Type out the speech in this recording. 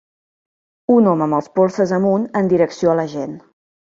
un home amb els polzes amunt en direcció a la gent.